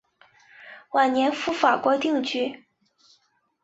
晚年赴法国定居。